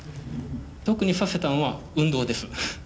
特にさせたのは、運動です。